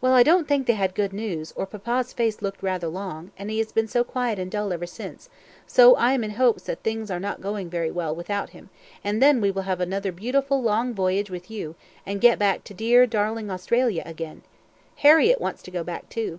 "Well, I don't think they had good news, or papa's face looked rather long, and he has been so quiet and dull ever since; so I am in hopes that things are not going very well without him, and then we will have another beautiful long voyage with you, and get back to dear, darling Australia again. Harriett wants to go back too."